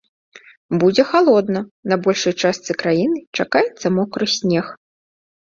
Будзе халодна, на большай частцы краіны чакаецца мокры снег.